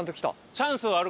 チャンスはある？